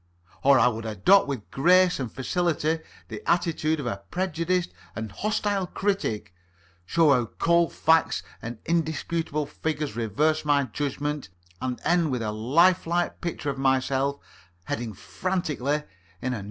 Or I would adopt with grace and facility the attitude of a prejudiced and hostile critic, show how cold facts and indisputable figures reversed my judgment, and end with a life like picture of myself heading frantically in a No.